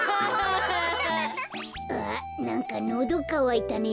あなんかのどかわいたね。